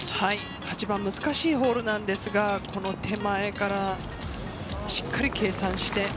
８番、難しいホールなんですが、手前からしっかり計算して。